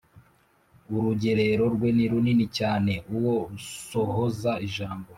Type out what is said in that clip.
urugerero rwe ni runini cyane Uwo usohoza ijambo